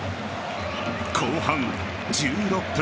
後半１６分。